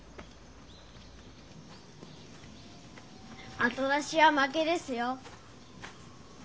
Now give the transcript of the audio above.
あと出しは負けですよ。